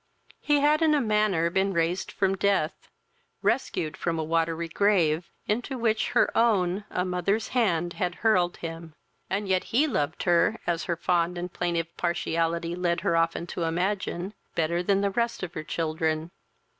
He had in a manner been raised from death, rescued from a watery grave, into which her own, a mother's, hand had hurled him; and yet he loved her, as her fond and plaintive partiality led her often to imagine, better than the rest of her children.